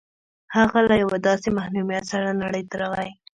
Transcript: هغه له يوه داسې محروميت سره نړۍ ته راغی.